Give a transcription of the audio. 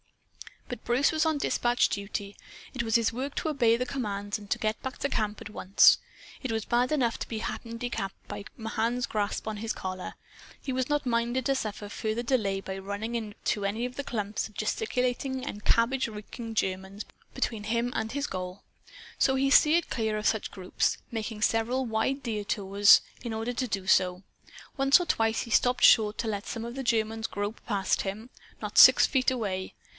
But Bruce was on dispatch duty. It was his work to obey commands and to get back to camp at once. It was bad enough to be handicapped by Mahan's grasp on his collar. He was not minded to suffer further delay by running into any of the clumps of gesticulating and cabbage reeking Germans between him and his goal. So he steered clear of such groups, making several wide detours in order to do so. Once or twice he stopped short to let some of the Germans grope past him, not six feet away.